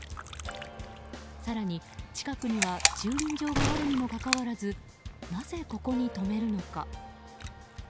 更に、近くには駐輪場があるにもかかわらずなぜ、ここに止めるのか。